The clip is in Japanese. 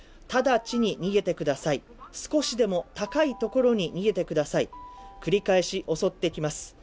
直ちに逃げてください、少しでも高いところに逃げてください、繰り返し襲ってきます。